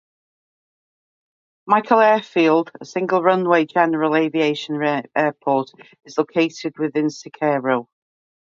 Michael Airfield, a single runway general aviation airport, is located within Cicero.